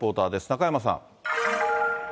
中山さん。